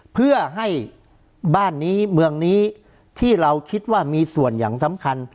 เพื่อให้บ้านนี้บนบนนี้ที่มีส่วนอย่างสำคัญ